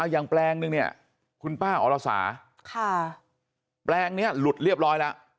อย่างแปลงนึงเนี่ยคุณป้าอรสาแปลงนี้หลุดเรียบร้อยแล้ว